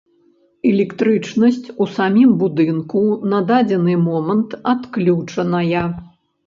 Электрычнасць у самім будынку на дадзены момант адключаная.